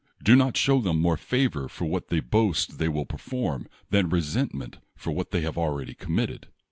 Do not show them more favor for what they boast they will per form, than resentment for what they have al ready committed.